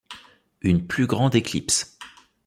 Une plus grande éclipse.